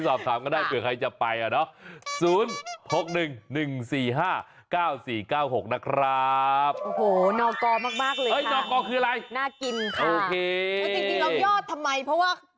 น่ากินค่ะจริงเรายอดทำไมเพราะว่า